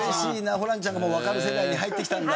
ホランちゃんがもうわかる世代に入ってきたんだ。